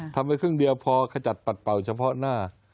ทำไปครึ่งเดียวพอขจัดปัดเป่าเฉพาะหน้า